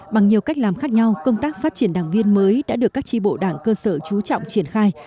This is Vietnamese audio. bằng nhiều cách làm khác nhau công tác phát triển đảng viên mới đã được các tri bộ đảng cơ sở trú trọng triển khai